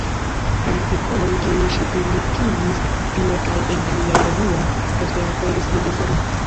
La artikolojn, kiujn ŝi publikigis tie kaj en aliaj revuoj, poste aperis libroforme.